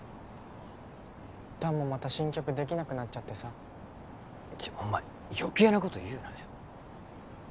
弾もまた新曲できなくなっちゃってさちょお前余計なこと言うなよ